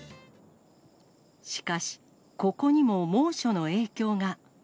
しかし、ここにも猛暑の影響が。